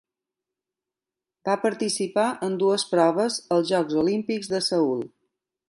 Va participar en dues proves als Jocs Olímpics de Seül.